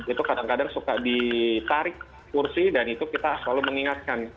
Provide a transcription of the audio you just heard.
itu kadang kadang suka ditarik kursi dan itu kita selalu mengingatkan